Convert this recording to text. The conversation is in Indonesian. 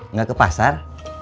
nggak ke pasar